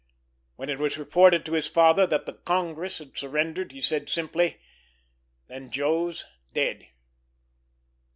When it was reported to his father that the Congress had surrendered, he said, simply, "Then Joe's dead."